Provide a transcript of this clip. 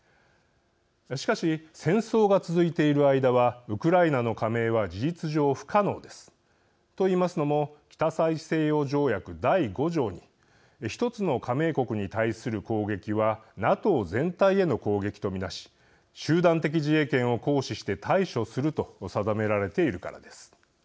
しかし、戦争が続いている間はウクライナの加盟は事実上不可能です。と言いますのも北大西洋条約第５条に１つの加盟国に対する攻撃はＮＡＴＯ全体への攻撃と見なし集団的自衛権を行使して対処すると定められているからです。